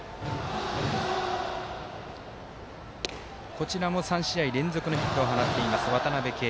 こちらも３試合連続のヒットを放っています渡辺憩。